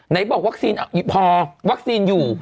ไหนบอกวัคซีนพอวัคซีนอยู่